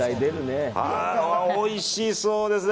おいしそうですね。